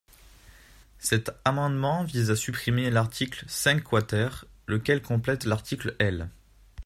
Cet amendement vise à supprimer l’article cinq quater, lequel complète l’article L.